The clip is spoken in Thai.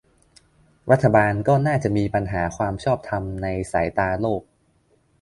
รัฐบาลก็น่าจะมีปัญหาความชอบธรรมในสายตาโลก